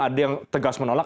ada yang tegas menolak